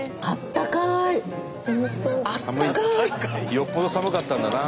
よっぽど寒かったんだな。